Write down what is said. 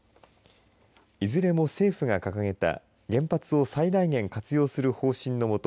いずれも政府が掲げた原発を最大限活用する方針のもと